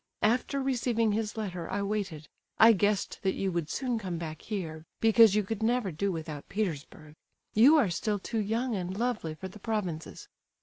After receiving his letter I waited; I guessed that you would soon come back here, because you could never do without Petersburg; you are still too young and lovely for the provinces.